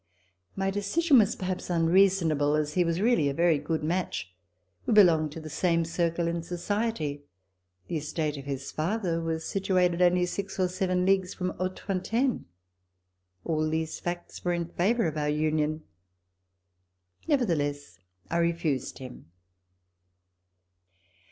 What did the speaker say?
My decision was perhaps unreasonable, as he was really a very good match. We belonged to the same circle in society. The estate of his father was situated only six or seven leagues from Hautefontaine. All these facts were in favor of our union. Nevertheless, I refused him.